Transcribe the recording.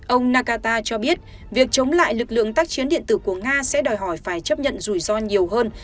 ông nakata cho biết việc chống lại lực lượng tác chiến điện tử của nga sẽ đòi hỏi phải chấp nhận rủi ro nhiều hơn